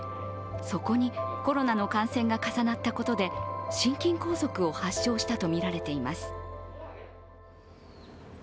そこにコロナの感染が重なったことで心筋梗塞を発症したとみられています。